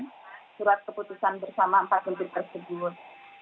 surat keputusan bersama empat menteri tersebut